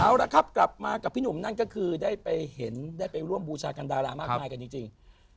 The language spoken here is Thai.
เอาละครับกลับมากับพี่หนุ่มนั่นก็คือได้ไปเห็นได้ไปร่วมบูชากันดารามากมายกันจริง